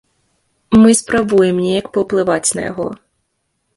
Мы спрабуем неяк паўплываць на яго.